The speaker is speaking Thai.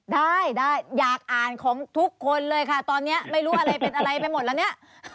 ได้ได้อยากอ่านของทุกคนเลยค่ะตอนนี้ไม่รู้อะไรเป็นอะไรไปหมดแล้วเนี่ย